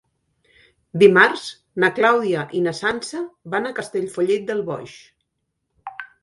Dimarts na Clàudia i na Sança van a Castellfollit del Boix.